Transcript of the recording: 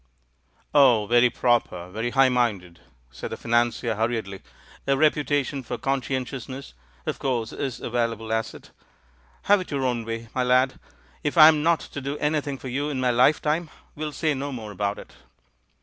"Oh, very proper, very high minded," said the financier hurriedly; "a reputation for conscien tiousness, of course, is a valuable asset. Have it your own way, my lad. If I'm not to do any thing for you in my lifetime, we'll say no more about it."